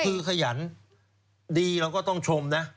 คือขยันดีเราก็ต้องชมนะ